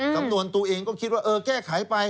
สำนวนตัวเองก็คิดว่าเออแก้ไขไป